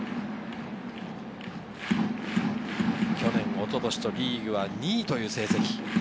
去年、一昨年とリーグは２位という成績。